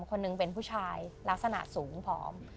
คนหนึ่งเป็นผู้ชายลักษณะสูงผอม